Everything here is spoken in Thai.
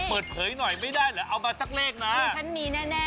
เปิดเผยหน่อยไม่ได้เหรอเอามาสักเลขนะ